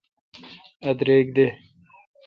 اؘ درک دے۔